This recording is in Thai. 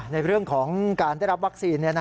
ในเรื่องของการได้รับวัคซีน